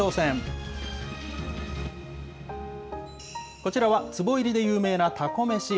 こちらは、つぼ入りで有名なたこ飯。